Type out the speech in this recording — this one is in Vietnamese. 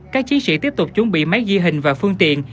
các chiến sĩ tiếp tục chuẩn bị máy ghi hình và phương tiện